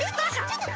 ちょっと。